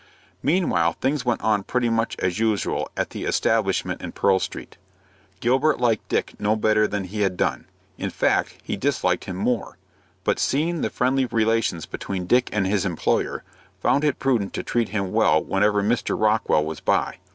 Meanwhile things went on pretty much as usual at the establishment in Pearl Street. Gilbert liked Dick no better than he had done. In fact, he disliked him more, but, seeing the friendly relations between Dick and his employer, found it prudent to treat him well whenever Mr. Rockwell was by.